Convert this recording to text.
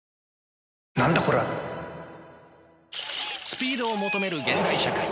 スピードを求める現代社会。